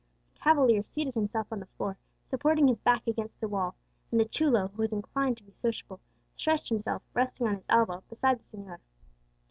The cavalier seated himself on the floor, supporting his back against the wall; and the chulo, who was inclined to be sociable, stretched himself, resting on his elbow, beside the señor.